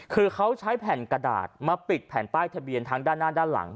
คือเขาใช้แผ่นกระดาษมาปิดแผ่นป้ายทะเบียนทั้งด้านหน้าด้านหลัง